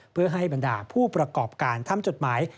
เพื่อให้บรรดาผู้ประกอบการทำจดหมาย